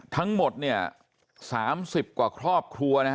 ทั้งหมดเนี่ย๓๐กว่าครอบครัวนะฮะ